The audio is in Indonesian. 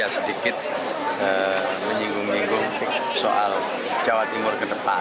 sedikit menyinggung nyinggung soal jawa timur ke depan